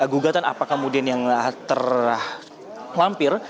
gugatan apa kemudian yang terlampir